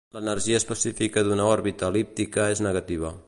L'energia específica d'una òrbita el·líptica és negativa.